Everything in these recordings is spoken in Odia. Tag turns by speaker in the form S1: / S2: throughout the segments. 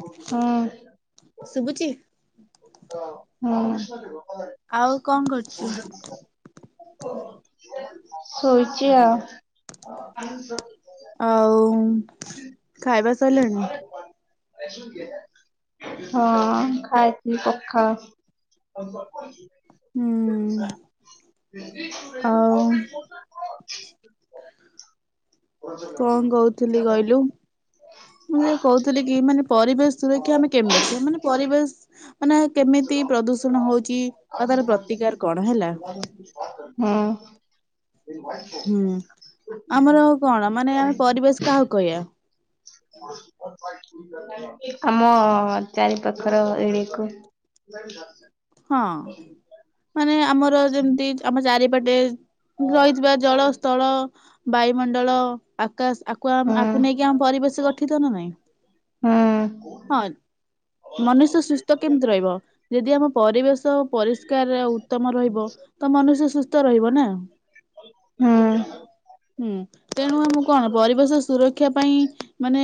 S1: ହୁଁ [inaudible]
S2: ଶୁଭୁଛି
S1: ହୁଁ। କରିବ
S2: ଆଉ କଣ କରୁଛୁ?
S1: ଶୋଇଚି ଆଉ
S2: ଆଉ ଖାଇବା ସରିଲାଣି?
S1: [inaudible] ହଁ ଖାଇଛି
S2: ହୁଁ
S1: ପଖାଳ
S2: ଆଉ
S1: [inaudible] [unintelligible]
S2: ଲି କହିଲୁ ମୁଁ ଯଉଁ କହୁଥିଲି କି ମାନେ ପରିବେଶ ସୁରକ୍ଷା ଆମେ କେମି ରଖିବା ମାନେ ପରିବେଶ ମାନେ କେମିତି ପ୍ରଦୂଷଣ ହଉଛି ଆଉ ତାର ପ୍ରତିକାର କଣ ହେଲା?
S1: ହୁଁ।
S2: ହୁଁ ଆମର କଣ ମାନେ ଆମେ ପରିବେଶ କାହାକୁ କହିବା?
S1: ଆମ ଚାରି ପାଖର ଏରିଆ କୁ
S2: ହଁ ମାନେ ଆମର ଯେମିତି ଆମ ଚାରିପଟେ ରହିଥିବା ଜଳ ସ୍ଥଳ ବାୟୁମଣ୍ଡଳ ଆକାଶ ଆମ
S1: ହୁଁ
S2: ଆକୁ ନେଇକି ଆମ ପରିବେଶ ଗଠିତ ନା ନାଇଁ
S1: ହୁଁ ହୁଁ।
S2: ହଁ ମନୁଷ୍ୟ ସୁସ୍ଥ କେମିତି ରହିବ ଯଦି ଆମ ପରିବେଶ ତ ପରିଷ୍କାର ଉତ୍ତମ ରହିବ ତ ମନୁଷ୍ୟ ସୁସ୍ଥ ରହିବ ନା
S1: ହଁ ହଁ
S2: ହୁଁ ତେଣୁ ଆମକୁ କଣ ପରିବେଶ ସୁରକ୍ଷା ପାଇଁ ମାନେ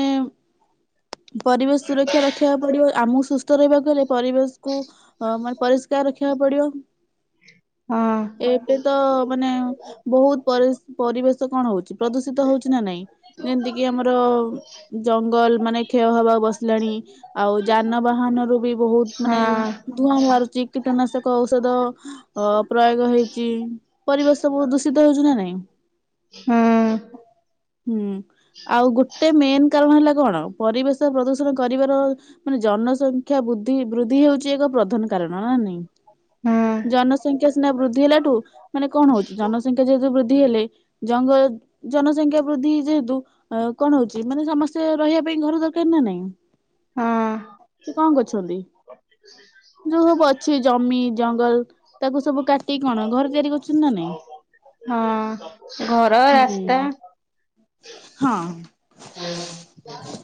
S2: ପରିବେଶ ସୁରକ୍ଷା ରଖିବାକୁ ପଡିବ ଆମକୁ ସୁସ୍ଥ ରହିବାକୁ ହେଲେ ପରିବେଶକୁ ଆମର ପରିଷ୍କାର ରଖିବା ପଡିବ। ବ ଏବେ ତ ମାନେ ବହୁତ ପରିବେଶ କଣ ହଉଛି ପ୍ରଦୂଷିତ ହଉଛି ନା ନାଇଁ ଯେମିତିକି ଆମର ଜଙ୍ଗଲ ମାନେ କ୍ଷୟ ହବା ବସିଲାଣି ଆଉ ଯାନବାହାନରୁ ବି ବହୁତ ମାନେ କଣ ବାହାରୁଛି କୀଟନାଶକ ଔଷଧ ଅ ପ୍ରୟୋଗ ହେଉଛି ପରିବେଶ ସବୁ ଦୂଷିତ ହେଉଛି ନା ନାଇଁ।
S1: ହଁ
S2: ହୁଁ ଆଉ ଗୋଟେ ମେନ୍ କାରଣ ହେଲା କଣ ପରିବେଶ ପ୍ରଦୂଷଣ କରିବାର ମାନେ ଜନସଂଖ୍ୟା ଖ୍ୟା ବୁଦ୍ଧି ବୃଦ୍ଧି ହେଉଛି ପ୍ରଧାନ କାରଣ ନା ନାଇଁ ଜନସଂଖ୍ୟା ସିନା ବୃଦ୍ଧି ହେଲାଠୁ ମାନେ କଣ ହଉଛି ଜନସଂଖ୍ୟା ଯେହେତୁ ବୃଦ୍ଧି ବୃଦ୍ଧି ହେଲେ ଜଙ୍ଗ ଜନସଂଖ୍ୟା ବୃଦ୍ଧି ଯେହେତୁ କଣ ହଉଛି ମାନେ ସମସ୍ତେ ରହିବା ପାଇଁ ଘର ଦରକାର ନା ନାହିଁ।
S1: ହଁ
S2: ସେ କଣ କରୁଛନ୍ତି? ଯୋଉ ସବୁ ଅଛି ଜମି ଜଙ୍ଗଲ ତାକୁ ସବୁ କାଟିି କଣ ଘରେ ତିଆରି କରୁଛନ୍ତି ନା
S1: ହଁ। ଘର
S2: ନାଇଁ ହୁଁ
S1: ରାସ୍ତା
S2: ହଁ। ହୁଁ।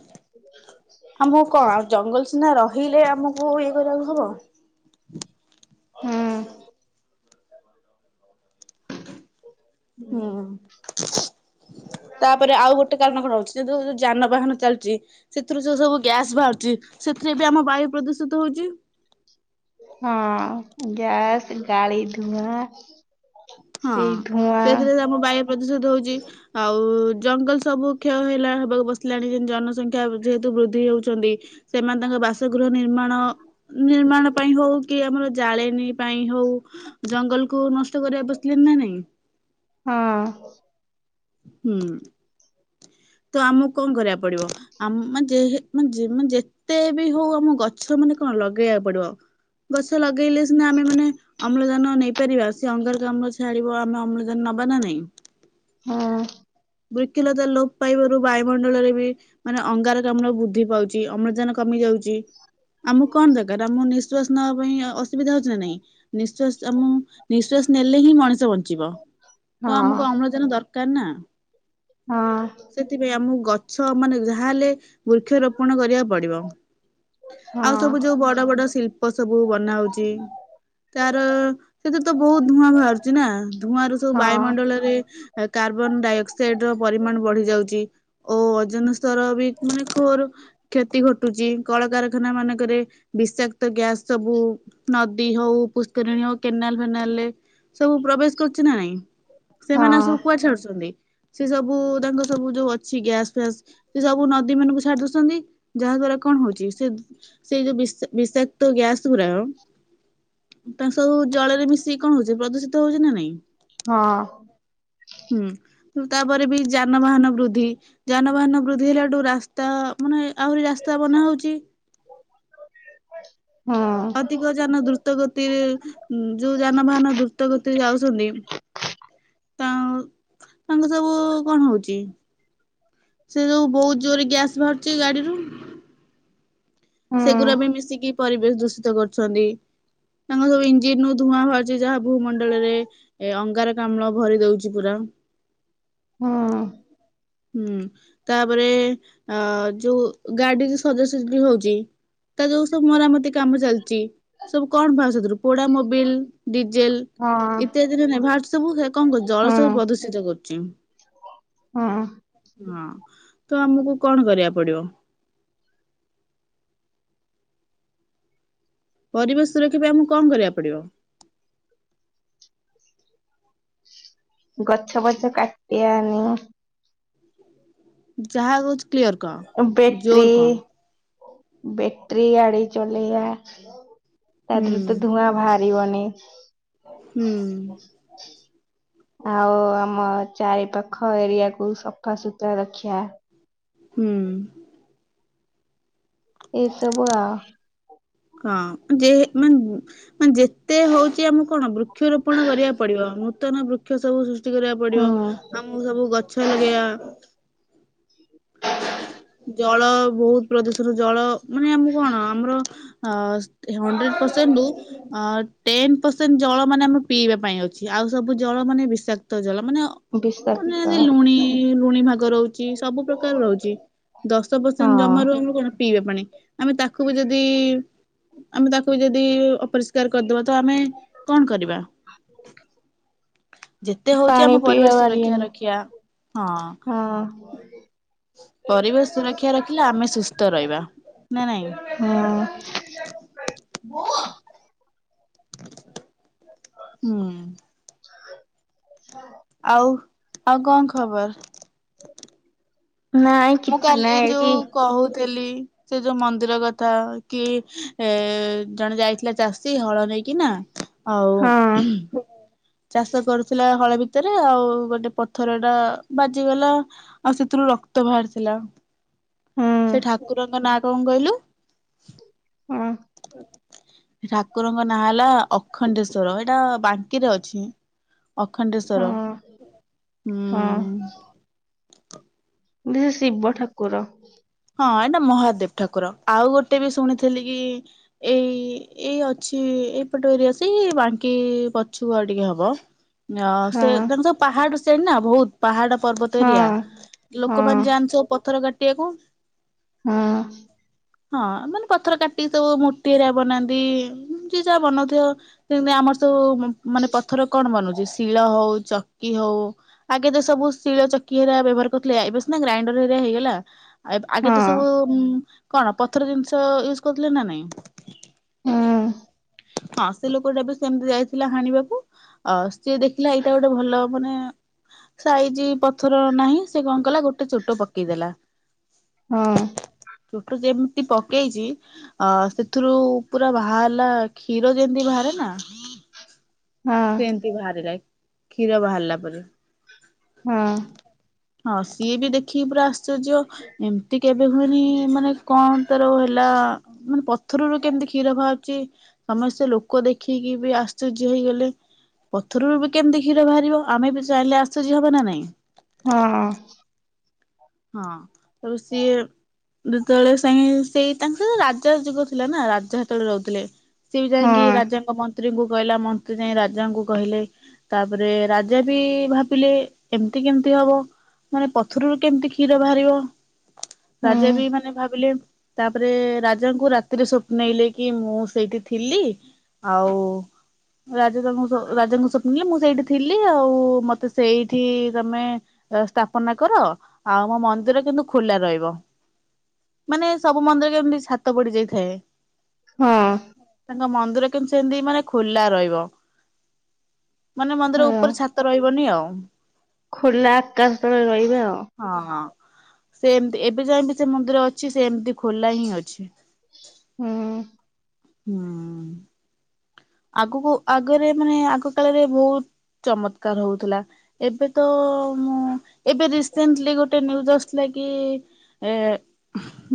S2: ଆମକୁ କଣ ଆଉ ଜଙ୍ଗଲ ସିନା ରହିଲେ ଆମକୁ ଇଏ କରିବାକୁ ହବ।
S1: ହୁଁ। [inaudible]
S2: ହୁଁ। [inaudible] ତାପରେ ଆଉ ଗୋଟେ କାରଣ କଣ ହଉଛି ଯଦି ଯୋଉ ଯାନବାହାନ ଚାଲିଚି ସେଥିରୁ ଯୋଉ ସବୁ ଗ୍ୟାସ ବାହାରୁଛି ସେଥିରେ ବି ଆମ ବାୟୁ ପ୍ରଦୂଷିତ ହଉଛି।
S1: ହଁ ଗ୍ୟାସ ଗାଳି ଧୂଆଁ
S2: ହଁ
S1: ସେଇ ଧୂଆଁ
S2: ସେଥିରେ ଆମ ବାୟୁ ପ୍ରଦୂଷିତ ହଉଛି ଆଉ ଜଙ୍ଗଲ ସବୁ କ୍ଷୟ ହେଲା ହେବାକୁ ବସିଲାଣି ଯେ ଜନସଂଖ୍ୟା ଯେହେତୁ ବୃଦ୍ଧି ହଉଛନ୍ତି ସେମାନେ ତାଙ୍କ ବାସଗୃହ ନିର୍ମାଣ ନିର୍ମାଣ ପାଇଁ ହଉ କି ଆମର ଜାଳେଣୀ ପାଇଁ ହଉ ଜଙ୍ଗଲକୁୁ ନଷ୍ଟ କରିବାକୁ ବସିଲେଣି ନା ନାଇଁ। ହୁଁ ତ ଆମକୁ କଣ କରିବାକୁ ପଡିବ ଆମେ ମାନେ ଯେହେ ମାନେ ଯେତେ ବି ହଉ ଆମ ଗଛ ମାନେ କଣ ଲଗେଇବାକୁ ପଡିବ ଗଛ ଲଗେଇଲେ ସିନା ଆମେ ମାନେ ଅମ୍ଳଜାନ ନେଇପାରିବା ସେ ଅଙ୍ଗାରକାମ୍ଳ ଛାଡିବ ଆମେ ଅମ୍ଳଜାନ ନବା ନା ନାଇଁ। ବୃକ୍ଷଲତା ଲୋପ ପାଇବାରୁ ବାୟୁମଣ୍ଡଳରେ ବି ମାନେ ଅଙ୍ଗାରକାମ୍ଲ ବୃଦ୍ଧି ପାଉଛି ଅମ୍ଳଜାନ କମି ଯାଉଛି। ଆମକୁ କଣ ଦରକାର ଆମକୁ ନିଶ୍ୱାସ ନିଶ୍ବାସ ନବା ପାଇଁ ଅସୁବିଧା ହଉଛି ନା ନାଇଁ ନିଶ୍ୱାସ ଆମ ନିଶ୍ୱାସ ନେଲେ ହିଁ ମଣିଷ ବଞ୍ଚିବ ତ ଆମକୁ ଅମ୍ଳଜାନ ଦରକାର କାର ନା। ସେଥିପାଇଁ ଆମକୁ ଗଛ ଛ ମାନେ ଯାହା ହେଲେ ବୃକ୍ଷରୋପଣ କରିବାକୁ ପଡିବ ଆଉ ସବୁ ଯୋଉ ବଡ ବଡ ଶିଳ୍ପ ସବୁ ବନା ହଉଛି ତାର ସେଥିରେ ତ ବହୁତ ଧୂଆଁ ବାହାରୁଛି ନା ଧୂଆଁ ର ସବୁ ବାୟୁମଣ୍ଡଳରେ କାର୍ବନ ଡାଇଅକ୍ସ ଅକ୍ସାଇଡ୍ ର ପରିମାଣ ବଢି ଯାଉଛି ଓ ଓଜନ ସ୍ତର ବି ମାନେ ଘୋର କ୍ଷତି ଘଟୁଛି କଳକାରଖାନା ମାନଙ୍କରେ ବିଷାକ୍ତ ଗ୍ୟାସ ସବୁ ନଦୀ ହଉ ପୁଷ୍କରିଣୀ ହଉ କେନାଲ ଫେନାଲରେ ସବୁ ପ୍ରବେଶ କରୁଛି ନା ନାଇଁ ସେମାନେ ସବୁ କୁଆଡେ ଛାଡୁଛନ୍ତି? ସେ ସବୁ ତାଙ୍କ ସବୁ ଯୋଉ ଅଛି ଗ୍ୟାସ ଫ୍ୟାସ ସେ ସବୁ ନଦୀ ମାନଙ୍କୁ ଛାଡି ଦଉଛନ୍ତି ଯାହା ଦ୍ଵାରା କଣ ହଉଛି ସେ ସେ ଯୋଉ ବିଷାକ୍ତ ଗ୍ୟାସ ଗୁରା ତାଙ୍କ ସବୁ ଜଳରେ ମିଶିକି କଣ ହଉଛି ପ୍ରଦୂଷିତ ହଉଛି ନା ନାଇଁ?
S1: ହଁ।
S2: ତାପରେ ବି ଯାନବାହାନ ବୃଦ୍ଧି ଯାନବାହାନ ବୃଦ୍ଧି ହେଲାଠୁ ରାସ୍ତା ମାନେ ଆହୁରି ରାସ୍ତା ବନା ହଉଛି
S1: [inaudible]
S2: ଅଧିକ ଯାନ ଦ୍ରୁତ ଗତିରେ ଯୋଉ ଯାନବାହାନ ଦ୍ରୁତ ଗତିରେ ଯାଉଛନ୍ତି। ତା ତାଙ୍କ ସବୁ କଣ ହଉଛି ସେ ଯୋଉ ବହୁତ ଜୋରରେ ଗ୍ୟାସ ବାହାରୁଛି ଗାଡିରୁ ସେଗୁରା ବି ମିଶିକି ପରିବେଶ ଦୂଷିତ କରୁ ଛନ୍ତି ତାଙ୍କର ସବୁ ଇଞ୍ଜିନ୍ ଧୂଆଁ ବାହାରୁଛି ଯାହା ଭୂମଣ୍ଡଳରେ ଏ ଅଙ୍ଗାରକାମ୍ଳ ଭରି ଦଉଛି ପୁରା ହୁଁ। ତାପରେ ଅ ଯୋଉ ଗାଡି ଯୋଉ ସଜଡ଼ା ସଜଡି ହଉଛି ତା ଯୋଉ ସବୁ ମରାମତି କାମ ଚାଲିଛି ସବୁ କଣ ବାହାରୁଚି ସେଥିରୁ ପୋଡ଼ା ମୋବିଲ ଡିଜେଲ ଇତ୍ୟାଦି ନାଇଁ ବାହାରୁଛି ସବୁ ସେଇରା କଣ କରୁଛି ଜଳୁ ପ୍ରଦୂଷିତ କରୁଛି ହଁ। ତ ଆମକୁ କଣ କରିବାକୁ ପଡିବ ପରିବେଶ ସୁରକ୍ଷା ପାଇଁ ଆମକୁ କଣ କରିବାକୁ ପଡିବ?
S1: ଗଛ ଫଛ କାଟିଆ ହଁ।
S2: ଯାହା କହୁଛ କ୍ଲିୟର କ
S1: ବେଟ୍ରି
S2: ଜୋର କ
S1: ବେଟ୍ରି ଗାଡ଼ି ଚଲେଇଆ। ତା
S2: ହୁଁ
S1: ଦେହରୁ ତ ଧୂଆଁ ବାହାର ପିବନି
S2: ହୁଁ।
S1: ଆଉ ଆମ ଚାରି ପାାଖ ଏରିଆକୁୁ ସଫା ସୁତୁରା ରଖିଆ।
S2: ହୁଁ।
S1: ଏଇ ସବୁ ଆଉ
S2: ହଁ ଯେହ୍ ମାନ୍ ମାନେ ଯେତେ ହଉଛି ଆମକୁ କଣ ବୃକ୍ଷରୋପଣ କରିବାକୁ ପଡିବ ମୁ ନୂତନ ବୃକ୍ଷ ସବୁ ସୃଷ୍ ଷ୍ଟି କରିବାକୁ ପଡିବ
S1: ହୁଁ
S2: ଆମକୁ ସବୁ ଗଛ ଲଗେଇବା ଜଳ ବହୁତ ପ୍ରଦୂଷଣ। ରୁ ଜଳ ମାନେ ଆମକୁ କଣ ଆମର ଅ ହଣ୍ଡ୍ରେଡ ପର୍ସେଣ୍ଟ ରୁ ଅ ଟେନ ପରସେଣ୍ଟ ଜଳ ମାନେ ଆମେ ପିଇବା ପାଇଁ ଅଛି ଆଉ ସବୁ ଜଳ ମାନେ ବିଷାକ୍ତ ଜଳ। ମାନେ
S1: ବିଷାକ୍ତ
S2: ଅନ୍ୟାନ୍ୟ ଲୁଣି ଲୁଣି ଭାଗ ରହୁଛି ସବୁ ଦର ରହୁଛି ଦଶ ପରସେଣ୍ଟ ଜମାରୁ
S1: ହଁ
S2: ଆମର କଣ ପିଇବା ପାଣି। ଆମେ ତାକୁ ବି ଯଦି ଆମେ ତାକୁ ବି ଯଦି ଅପରିଷ୍କାର କାର କରିଦବା ତ ଆମେ କଣ କରିବା ଯେତେ ହଉଛି
S1: ପାଣି
S2: ଆମ
S1: ପିଇବା
S2: ପରିବେଶ ସୁରକ୍ଷା
S1: ବାରିଏନି
S2: ରକ୍ଷିବା ହଁ। ପରିବେଶ ସୁରକ୍ଷା ରଖିଲେ ଆମେ ସୁସ୍ଥ ରହିବା ନା ନାଇଁ
S1: ହଁ
S2: ବୋଉ [inaudible] ହୁଁ
S1: [unintelligible]
S2: ଆଉ ଆଉ କଣ ଖବର?
S1: ନାଇଁ କିଛି ନାାଇଁ ଏଇଠି
S2: ଥେଲି ସେ ଯୋଉ ମନ୍ଦିର କଥା କି ଏ ଜଣେ ଯାଇଥିଲା ଚାଷୀ ହଳ ନେଇକି ନା ଆଉ
S1: ହଁ
S2: ଚାଷ କରୁଥିଲା। ହଳ ଭିତରେ ଆଉ ଗୋଟେ ପଥର ଟା ବାଜିଗଲା ଆଉ ସେଥିରୁ ରକ୍ ତ ବାହାରିଥିଲା
S1: ହୁଁ
S2: ସେ ଠାକୁରଙ୍କ ନାଁ କଣ କହିଲୁ?
S1: ହଁ
S2: ଠାକୁରଙ୍କ ନାଁ ହେଲା ଅଖଣ୍ଡେଶ୍ଵର ଏଇଟା ବାଙ୍କିରେ ଅଛି। ଅଖଣ୍ଡେଶ୍ଵର
S1: ହଁ
S2: ହୁଁ
S1: ସିଏ ଶିବ ଠାକୁର
S2: ହଁ ଏଇଟା ମହାଦେବ ଠାକୁର ଆଉ ଗୋଟେ ବି ଶୁଣିଥିଲି କି ଏଇ ଏଇ ଅଛି ଏଇପଟ ଏରିୟା ସେଇ ବାଙ୍କି ପଛୁକୁ ଆଉ ଟିକେ ହବ ଅ
S1: ହଁ
S2: ସେ ତାଙ୍କ ପାହାଡ ସେଇଠି ନାଁ ବହୁତ ପାହାଡ ପର୍ବତ
S1: ହଁ
S2: ଏରିଆ
S1: ହଁ
S2: ଲୋକମାନେ ଯାଆନ୍ତି ସବୁ ପଥର କାଟି କାଟିବାକୁ
S1: ହଁ।
S2: ହଁ ମାନେ ପଥର କାଟିିକି ସବୁ ମୂର୍ତ୍ତି ହେରିକା ବନାନ୍ତି ଯିଏ ଯାହା ବନାଉଥିବ ସେମିତି ଆମର ସବୁ ମାନେ ପଥର କଣ ବନୁଛି ଶିଳ ହଉ ଚକି ହଉ ଆଗେ ତ ସବୁ ଶିଳ ଚକି ହେରିକା ବ୍ୟବହାର କରୁଥିଲେ ଏବେ ସିନା ଗ୍ରାଇଣ୍ଡର ହେରିକା ହେଇଗଲା ଆଗେ ତ ସବୁ
S1: ହଁ
S2: କଣ ପଥର ଜିନିଷ ୟୁଜ କରିଥିଲେ ନା ନାଇଁ?
S1: ହଁ।
S2: ହଁ ସେ ଲୋକଟା ବି ସେମିତି ଯାଇଥିଲା ହାଣିବାକୁ ଆ ସିଏ ଦେଖିଲା ଏଇଟା ଗୋଟେ ଭଲ ମାନେ ସାଇଜ ପଥର ନାହିଁ ସେ କଣ କଲା ଗୋଟେ ଚୋଟ ପକେଇ ଦେଲା
S1: ହଁ।
S2: ଚୋଟ ଯେମିତି ପକେଇଛି ଅ ସେଥିରୁ ପୁରା ବାହାରିଲା କ୍ଷୀର ଯେମିତି ବାହାରେ ନା
S1: ହଁ
S2: ସେମିତି ବାହାରିଲା କ୍ଷୀର ବାହାରିଲା ପରି
S1: ହଁ।
S2: ହଁ ସିଏ ବି ଦେଖିକି ପୁରା ଆଶ୍ଚର୍ଯ୍ୟ ଏମିତି କେବେ ହୁଏନି ମାନେ କଣ ତାର ହେଲା ମାନେ ପଥରରୁ କେମିତି କ୍ଷୀର ବାହାର ବାହାରୁଚି ସମସ୍ତେ ଲୋକ ଦେଖିକି ବି ଆଶ୍ଚର୍ଯ୍ୟ ହେଇଗଲେ ପଥରରୁ ବି କେମିତି କ୍ଷୀର ବାହାରିବ ଆମେ ବି ଚାହିଁଲେ ଆଶ୍ଚର୍ଯ୍ୟ ହବ ନା ନାଇଁ
S1: ହଁ।
S2: ହଁ ତାପରେ ସିଏ ଯେତେବେଳେ ସେଇ ତାଙ୍କର ରାଜା ଯୁଗ ଥିଲା ନା ରାଜା ସେତେବେଳେ ରହୁଥିଲେ। ସିଏ ବି ଯାଇକି
S1: ହଁ
S2: ରାଜାଙ୍କ ମନ୍ତ ମନ୍ତ୍ରୀଙ୍କୁ କହିଲା ମନ୍ତ୍ରୀ ଯାଇ ରାଜାଙ୍କୁ କହିଲେ ତାପରେ ରାଜା ବି ଭାବିଲେ ଏମିତି କେମିତି ହବ ମାନେ ପଥରରୁ କେମିତି କ୍ଷୀର ବାହାରିବ
S1: ହୁଁ
S2: ରାଜା ବି ମାନେ ଭାବିଲେ ତାପରେ ରାଜାଙ୍କୁ ରାତିରେ ସ୍ୱପ୍ନେଇଲେ କି ମୁଁ ସେଇଠି ଥିଲି ଆଉ ରାଜା ତାଙ୍କୁ ରାଜାଙ୍କୁ ସ୍ୱପ୍ନେଇଲେ ମୁଁ ସେଇଠି ଥିଲି ଆଉ ମତେ ସେଇଠି ତମେ ସ୍ଥାପନା କର। ଆଉ ମୋ ମନ୍ଦିର କିନ୍ତୁ ଖୋଲା ରହିବ ମାନେ ସବୁ ମନ୍ଦିର କେମତି ଶାନ୍ତ ପଡିଯାଇଥାଏ।
S1: ହଁ
S2: ତାଙ୍କ ମନ୍ଦିର କେମତି ସେମିତି ମାନେ ଖୋଲା ରହିବ। ମାନେ ମନ୍ଦିର
S1: ହଁ
S2: ଉପରେ ଛାତ ରହିବନି ଆଉ।
S1: ଖୋଲା ଆକାଶ ତଳେ ରହିବେ ଆଉ।
S2: ହଁ ସେମତି ଏବେ ଯାଇ ବିି ସେ ମନ୍ଦିର ଅଛି ସେ ସେମିତି ଖୋଲା ହିଁ ଅଛି।
S1: ହୁଁ।
S2: ହୁଁ। ଆଗକୁ ଆଗରେ ମାନେ ଆଗ କାଳରେ ବହୁତ ଚମତ୍କାର ହଉଥିଲା ଏବେ ତ ମୁଁ ଏବେ ରିସେଣ୍ଟଲି ଗୋଟେ ନ୍ୟୁଜ ଆସଥିଲା କି ଏ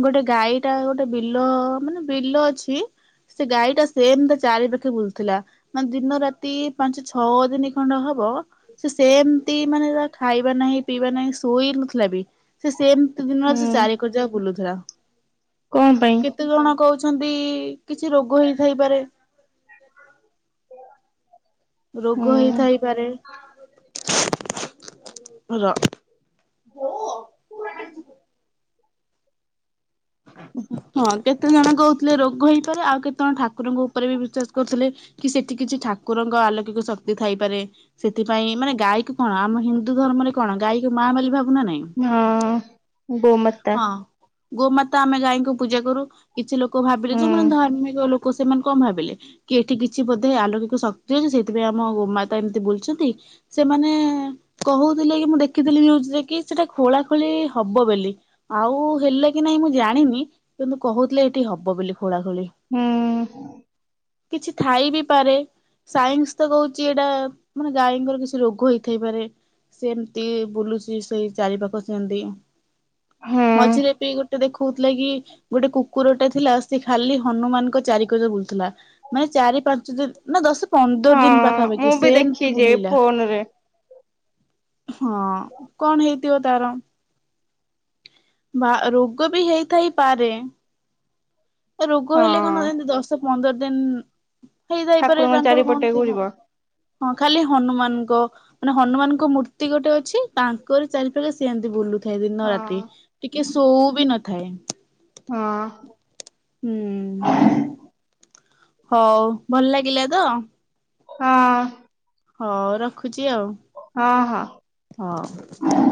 S2: ଗୋଟେ ଗାଈ ଟା ଗୋଟେ ବିଲ ମାନେ ବିଲ ଅଛି ସେ ଗାଈ ଟା ସେମିତି ଚାରି ପାଖ ବୁଲୁଥିଲା ମାନେ ଦିନ ରାତି ପାଞ୍ଚ ଛଅ ଦିନ ଖଣ୍ଡେ ହବ ହବ ସେ ସେମିତି ମାନେ ହେଲା ଖାଇବା ନାହିଁ ପିଇବା ନାାଇଁ ଶୋଇ ନଥିଲା ବି ସେମିତି ଦିନରେ ସେ
S1: ହୁଁ
S2: ଚାରି କରି ଯାକ ବୁଲୁଥିଲା। ହେରା।
S1: କଣ ପାଇଁ
S2: କେତେ ଜଣ କହୁଛ? ଅଛନ୍ତି। କିଛି ରୋଗ ହେଇଥାଇପାରେ। [unintelligible] ରୋଗ
S1: ହୁଁ
S2: ହେଇଥାଇପାରେ। ହେଲୋ। ହଁ କେତେ? କେତେ ଜଣ କହୁଥିଲେ ରୋଗ ହେଇପାରେ ଆଉ କେତେଜଣ ଠାକୁରଙ୍କ ଉପରେ ବି ବିଶ୍ୱାସ କରୁଥିଲେ କି ସେଠି କିଛି ଠାକୁରଙ୍କ ଆଲୌକିକ ଶକ୍ତି ଥାଇପାରେ ସେଥିପାଇଁ ମାନେ ଗାଈକୁ କଣ ଆମ ହିନ୍ଦୁ ଧର୍ମରେ କଣ ଗାଈର ମା ବୋଲି ଭାବୁ
S1: ହଁ ଗୋ ମାତା
S2: ହଁ ଗୋମାତା ଆମେ ଗାଈଙ୍କୁ ପୂଜା କରୁ କିଛି ଲୋକ ଭାବିଲେ
S1: ହୁଁ
S2: ଯୋଉମାନେ ଧାର୍ମିକ ଲୋକ ସେମାନେ କଣ ଭାବିଲେ କି ଏଠି କିଛି ବୋଧେ ଆଲୌକିକ ଶକ୍ତି ଅଛି ସେଇଥିପାଇଁ ଆମ ଗୋମାତା ଏମିତି ବୁଲଛନ୍ତି ସେମାନେ କହୁଥିଲେ କି ମୁଁ ଦେଖିଥିଲି ନିୟୁଜ୍ ରେ କି ସେଟା ଖୋଳା ଖୋଳି ହବ ବୋଲି ଆଉ ହେଲା କି ନାଇଁ ମୁଁ ଜାଣିନି କିନ୍ତୁ କହୁଥିଲେ ଏଠି ହବ ବୋଲି ଖୋଳା ଖୋଳି।
S1: ହୁଁ
S2: କିଛି ଥାଇ ବି ପାରେ ସାଇନ୍ସ ତ କହୁଛି ଏଇଟା ମାନେ ଗାଈଙ୍କର କିଛି ରୋଗ ହେଇଥାଇପାରେ ସେମିତି ବୁଲୁଛି ସେଇ ଚାରିପାଖ ସେମିତି
S1: ହୁଁ
S2: ମଝିରେ ବି ଗୋଟେ ଦେଖୁ କହୁଥିଲା କି ଗୋଟେ କୁକୁର ଟା ଥିଲା ସେ ଖାଲି ହନୁମାନଙ୍କ ଚାରିିକଡେ ବୁଲୁଥିଲା ମାନେ ଚାରି ପାଞ୍ଚ ଦିନ ନା ଦଶ ପନ୍ଦର ଦିନ
S1: ହଁ ମୁଁ
S2: ପାଖାପାଖି
S1: ବି
S2: ସେମିତି
S1: ଦେଖିଛି
S2: ବୁଲିଲା
S1: ଫୋନ ରେ
S2: ହଁ କଣ ହେଇଥିବ ତାର ବା ରୋଗ ବି ହେଇଥାଇପାରେ? ରୋଗ
S1: ହଁ
S2: ହେଲେ କଣ ଏମିତି ଦଶ ପନ୍ଦର ଦେନ୍ ହେଇ ଥାଇପାରେ
S1: ଠାକୁରଙ୍କ
S2: ତାଙ୍କର କଣ
S1: ଚାରିପଟେ
S2: ଥିବ?
S1: ଘୁରିବ
S2: ହଁ ଖାଲି ହନୁମାନଙ୍କ ମାନେ ହନୁମାନଙ୍କ ମୂର୍ତ୍ତି ଗୋଟେ ଅଛି ତାଙ୍କର ଚାରିପଖେ ସେମିତି ବୁଲୁ [unintelligible] ଦିନ ରାତି।
S1: ହଁ
S2: ଟିକେ ଶୋଉ ବି ନଥାଏ।
S1: ହଁ।
S2: ହୁଁ ହଉ ଭଲ ଲାଗିଲା ତ
S1: ହଁ।
S2: ହଁ ରଖୁ ଖୁଛି ଆଉ
S1: ହଁ ହଁ।
S2: ହଉ